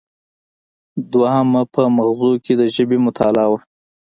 دویمه په مغزو کې د ژبې مطالعه وه